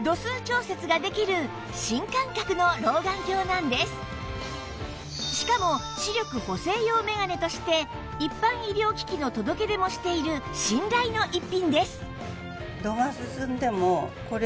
そこでしかも視力補正用眼鏡として一般医療機器の届け出もしている信頼の逸品です